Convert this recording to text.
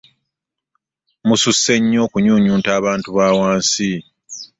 Mususse nnyo okunyunyunta abantu ba wansi.